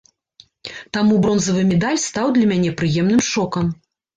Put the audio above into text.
Таму бронзавы медаль стаў для мяне прыемным шокам.